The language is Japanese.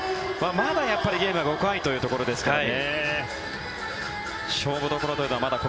まだやっぱりゲームは５回というところですからね。